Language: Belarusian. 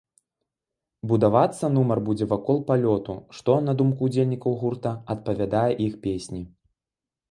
Будавацца нумар будзе вакол палёту, што, на думку ўдзельнікаў гурта, адпавядае іх песні.